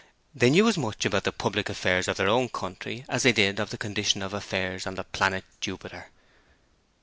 They knew as much about the public affairs of their own country as they did of the condition of affairs in the planet of Jupiter.